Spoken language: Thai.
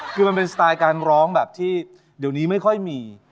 คือน้องห้ามแตะต้องสาวได้